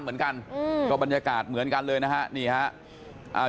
เป็นการบรรยากาศเหมือนกันเลยนะครับ